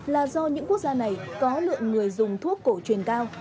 là do những quốc gia này có lượng người dùng thuốc cổ truyền cao